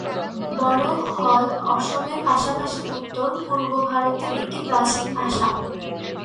বড়ো হ'ল অসমের পাশাপাশি উত্তর-পূর্ব ভারতের একটি প্রাচীন ভাষা।